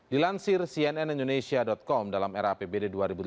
dilansir cnn indonesia com dalam era apbd dua ribu tujuh belas